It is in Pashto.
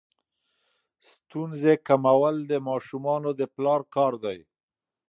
ستونزې کمول د ماشومانو د پلار کار دی.